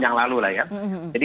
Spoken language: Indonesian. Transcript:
yang lalu lah ya